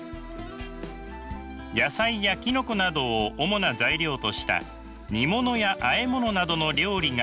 野菜やきのこなどを主な材料とした煮物やあえ物などの料理が副菜です。